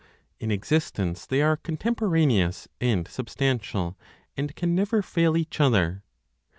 In existence they are contemporaneous and substantial, and can never fail each other.